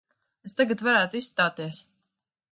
Es tagad varētu izstāties.